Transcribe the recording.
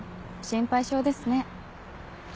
心配性ですね。